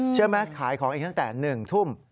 เชื่อไหมขายของเองตั้งแต่๑ทุ่ม